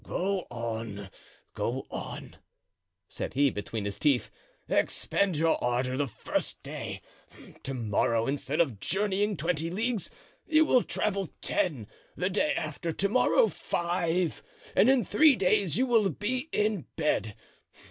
"Go on, go on," said he, between his teeth, "expend your ardor the first day; to morrow, instead of journeying twenty leagues, you will travel ten, the day after to morrow, five, and in three days you will be in bed.